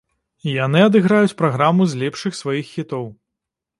Яны адыграюць праграму з лепшых сваіх хітоў.